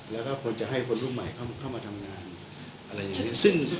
แล้วก็ควรจะให้คนรุ่นใหม่เข้ามาทำงานอะไรอย่างนี้